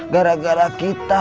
gara gara kita